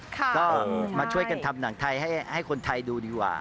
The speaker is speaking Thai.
ก็มาช่วยกันทำหนังไทยให้คนไทยดูดีกว่า